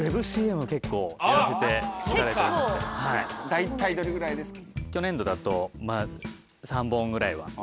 大体どれぐらいですか？